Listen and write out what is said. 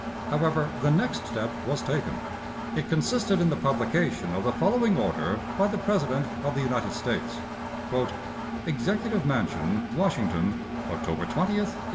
However, the next step was taken. It consisted in the publication of the following order by the President of the United States: "EXECUTIVE MANSION, WASHINGTON, _October 20, 1862.